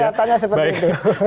ya kelihatannya seperti itu